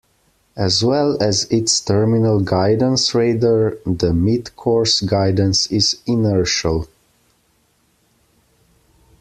As well as its terminal guidance radar, the midcourse guidance is inertial.